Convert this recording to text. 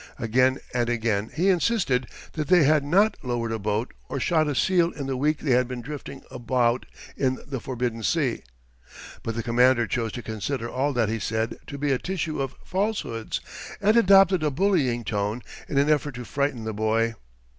Again and again he insisted that they had not lowered a boat or shot a seal in the week they had been drifting about in the forbidden sea; but the commander chose to consider all that he said to be a tissue of falsehoods, and adopted a bullying tone in an effort to frighten the boy.